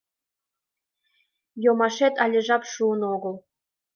— Йомашет але жап шуын огыл...